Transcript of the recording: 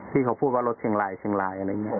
ที่เขาพูดว่ารถเชียงรายเชียงรายอะไรอย่างนี้